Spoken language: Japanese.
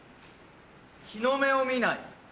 日の目を見ない。